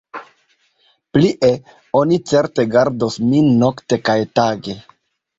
Plie, oni certe gardos min nokte kaj tage.